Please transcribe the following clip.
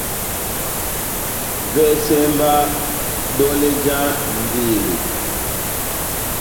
Vɛsɛ mba dɔlɛ já ndelo.